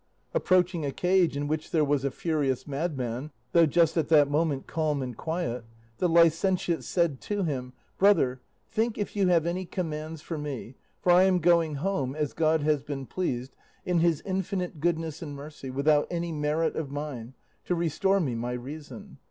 Approaching a cage in which there was a furious madman, though just at that moment calm and quiet, the licentiate said to him, 'Brother, think if you have any commands for me, for I am going home, as God has been pleased, in his infinite goodness and mercy, without any merit of mine, to restore me my reason.